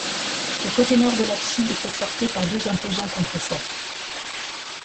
Le côté nord de l'abside est conforté par deux imposants contreforts.